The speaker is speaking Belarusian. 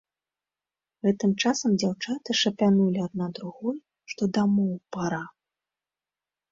Гэтым часам дзяўчаты шапянулі адна другой, што дамоў пара.